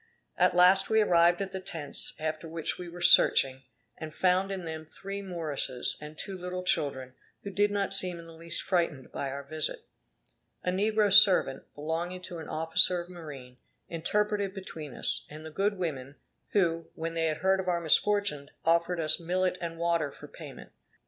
At last we arrived at the tents after which we were searching, and found in them three Mooresses and two little children, who did not seem in the least frightened by our visit. A negro servant, belonging to an officer of marine, interpreted between us; and the good women, who, when they had heard of our misfortunes, offered us millet and water for payment.